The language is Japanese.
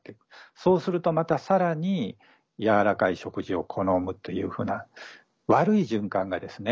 そうするとまた更にやわらかい食事を好むというふうな悪い循環がですね